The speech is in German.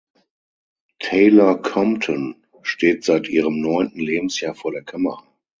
Taylor-Compton steht seit ihrem neunten Lebensjahr vor der Kamera.